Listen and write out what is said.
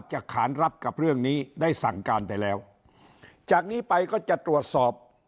ขานรับกับเรื่องนี้ได้สั่งการไปแล้วจากนี้ไปก็จะตรวจสอบ